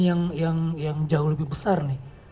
yang jauh lebih besar nih